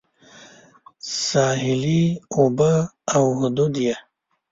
ساحلي اوبه او حدود یې